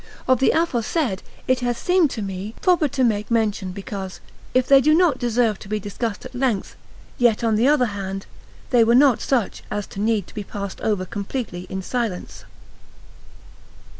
Of the aforesaid it has seemed to me proper to make mention, because, if they do not deserve to be discussed at length, yet, on the other hand, they were not such as to need to be passed over completely in silence.